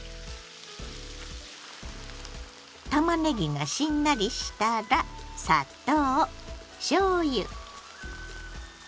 たまねぎがしんなりしたら砂糖しょうゆ酢。